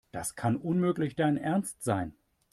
Das kann unmöglich dein Ernst sein.